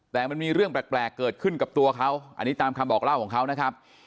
แต่มันมีเรื่องแปลกเกิดขึ้นกับตัวเขาอันนี้ตามคำบอกเล่าของเขานะครับ